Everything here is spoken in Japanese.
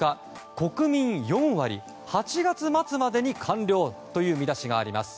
国民４割８月末までに完了という見出しがあります。